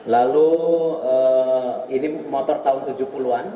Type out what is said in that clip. lalu ini motor tahun tujuh puluh an